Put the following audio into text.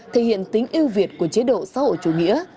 thể hiện tính yêu việt của chế độ xã hội chủ nghĩa